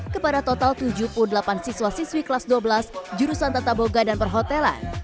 kepada total tujuh puluh delapan siswa siswi kelas dua belas jurusan tata boga dan perhotelan